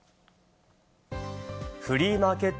フリーマーケット